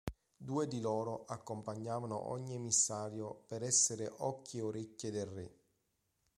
Due di loro accompagnavano ogni emissario per essere "occhi e orecchie del re".